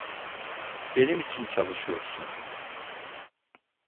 Benim için çalışıyorsun.